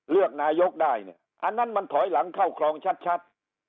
เลือกนายกได้เนี่ยอันนั้นมันถอยหลังเข้าครองชัด